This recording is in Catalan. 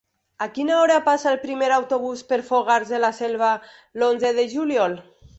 A quina hora passa el primer autobús per Fogars de la Selva l'onze de juliol?